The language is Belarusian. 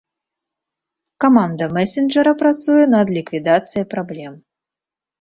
Каманда месенджара працуе над ліквідацыяй праблем.